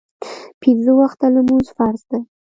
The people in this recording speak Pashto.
پینځه وخته لمونځ فرض دی